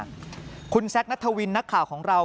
คุณแซคนัทวินนักข่าวของเรา